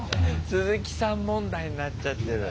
すずきさん問題になっちゃってる。